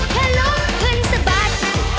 แค่ลุกขึ้นสะบัด